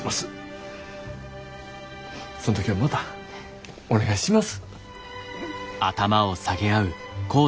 その時はまたお願いします。